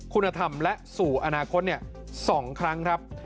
คุณธรรมและสู่อนาคต๒ครั้งครับ